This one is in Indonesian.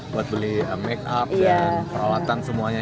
buat beli make up dan peralatan semuanya